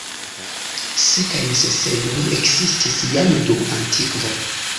Sekaj necesejoj ekzistis jam dum antikvo.